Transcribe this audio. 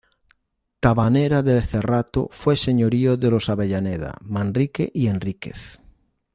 Tabanera de Cerrato fue señorío de los Avellaneda, Manrique y Enríquez.